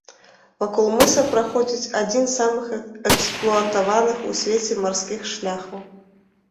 Вакол мыса праходзіць адзін з самых эксплуатаваных у свеце марскіх шляхоў.